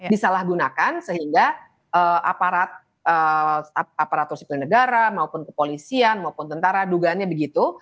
disalahgunakan sehingga aparat aparatur sipil negara maupun kepolisian maupun tentara dugaannya begitu